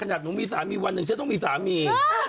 หนูมีสามีวันหนึ่งฉันต้องมีสามี